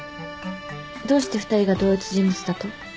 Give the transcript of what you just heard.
どうして２人が同一人物だと？